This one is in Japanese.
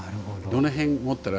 どの辺を持ったら？